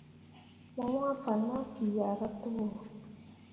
Mo wãã fan ma kiahra towo.